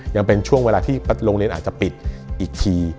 ยังเป็นช่วงเวลาที่โรงเรียนอาจจะปิดอีกที